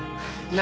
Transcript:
何？